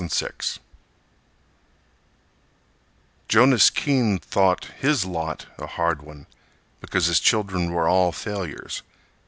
Albert Schirding Jonas Keene thought his lot a hard one Because his children were all failures.